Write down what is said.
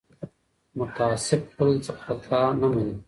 متعصب خپل خطا نه مني